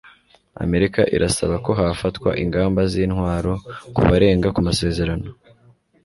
amerika irasaba ko hafatwa ingamba z'intwaro ku barenga ku masezerano